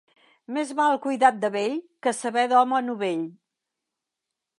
Més val cuidat de vell que saber d'home novell.